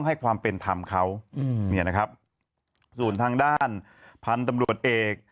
ให้ความเป็นธรรมเขาอืมเนี่ยนะครับส่วนทางด้านพันธุ์ตำรวจเอก